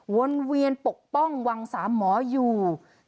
วนเวียนปกป้องวังสามหมออยู่